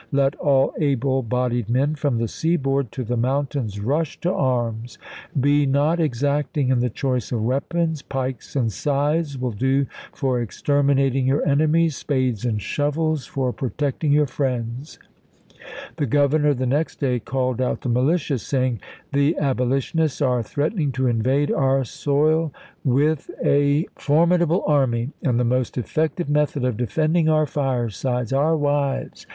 Let all able bodied men from the sea board to the mountains rush to arms. Be not exacting in the choice of weapons; pikes and scythes will do for exterminating your enemies; spades and shovels ibid., p. 782. for protecting your friends." The Governor the next day called out the militia, saying: " The Abo litionists are threatening to invade our soil with a REAR ADMIRAL, JOHN HODGERS. DU PONT BEFORE CHARLESTON 67 formidable army, and ... the most effective chap. in. method of defending our firesides, our wives, w.